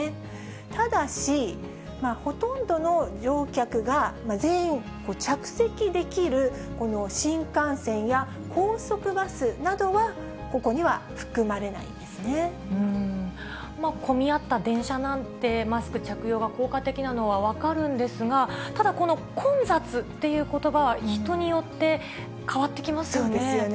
ただし、ほとんどの乗客が全員、着席できる、新幹線や高速バスなどは、混み合った電車なんて、マスク着用が効果的なのは分かるんですが、ただ、この混雑っていうことばは、人によって変わってきますよね。